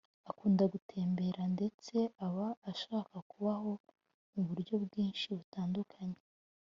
akunda gutemberandetse aba ashaka kubaho mu buryo bwinshi butandukanye